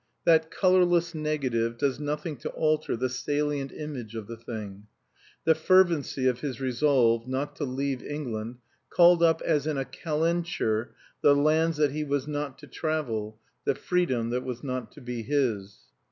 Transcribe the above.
That colorless negative does nothing to alter the salient image of the thing. The fervency of his resolve not to leave England called up as in a calenture the lands that he was not to travel, the freedom that was not to be his.